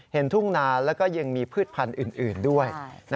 ทุ่งนาแล้วก็ยังมีพืชพันธุ์อื่นด้วย